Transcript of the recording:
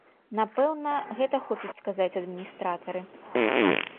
Напэўна, гэта хочуць сказаць адміністратары?